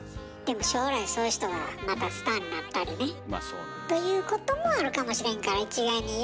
でも将来そういう人がまたスターになったりね。ということもあるかもしれんから一概に言えないですけども。